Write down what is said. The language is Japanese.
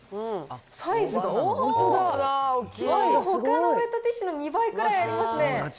サイズが、おー、ほかのウエットティッシュの２倍ぐらいありますね。